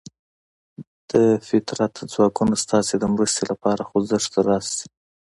د فطرت ځواکونه ستاسې د مرستې لپاره خوځښت راشي.